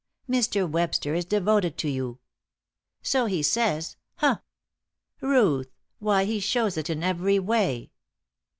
"Mr. Webster is devoted to you." "So he says. Humph!" "Ruth! Why, he shews it in every way."